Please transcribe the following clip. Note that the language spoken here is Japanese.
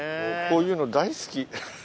こういうの大好き。